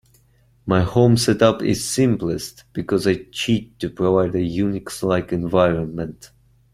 My home set up is simplest, because I cheat to provide a UNIX-like environment.